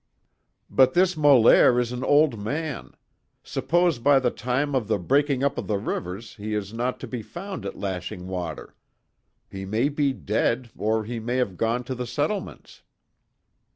"But this Molaire is an old man. Suppose by the time of the breaking up of the rivers he is not to be found at Lashing Water? He may be dead, or he may have gone to the settlements."